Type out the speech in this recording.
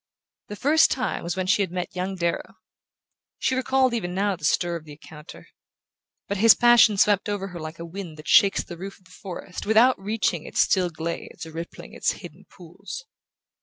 The first time was when she had met young Darrow. She recalled even now the stir of the encounter. But his passion swept over her like a wind that shakes the roof of the forest without reaching its still glades or rippling its hidden pools.